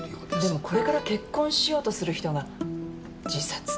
でもこれから結婚しようとする人が自殺っていうのもね。